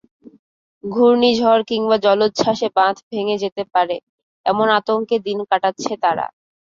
ঘূর্ণিঝড় কিংবা জলোচ্ছ্বাসে বাঁধ ভেঙে যেতে পারে, এমন আতঙ্কে দিন কাটাচ্ছে তারা।